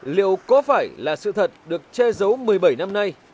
liệu có phải là sự thật được che giấu một mươi bảy năm nay